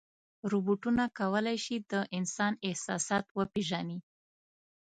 روبوټونه کولی شي د انسان احساسات وپېژني.